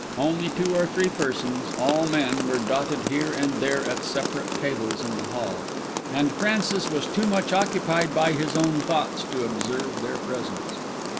Only two or three persons, all men, were dotted here and there at separate tables in the hall; and Francis was too much occupied by his own thoughts to observe their presence.